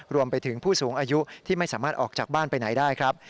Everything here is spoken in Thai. รวมไปถึงผู้สูงอายุที่ไม่สามารถออกจากบ้านไปไหนได้ครับ